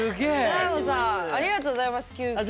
だーごさんありがとうございます急きょ。